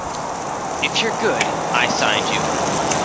If you're good, I signed you.